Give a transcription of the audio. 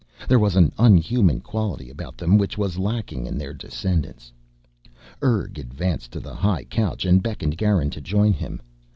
There was an un human quality about them which was lacking in their descendents. Urg advanced to the high couch and beckoned Garin to join him.